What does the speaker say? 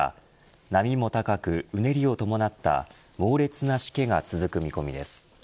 波も高く、うねりを伴った猛烈なしけが続く見込みです。